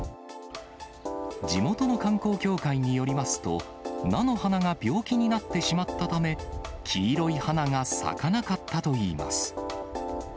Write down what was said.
地元の観光協会によりますと、菜の花が病気になってしまったため、黄色い花が咲かなかったといいます。